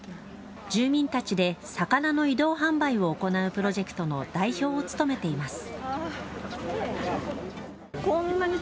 住民たちで魚の移動販売を行うプロジェクトの代表を務めています。